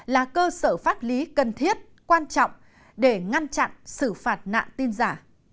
là cơ sở pháp lý cần thiết quan trọng để ngăn chặn xử phạt nạn tin giả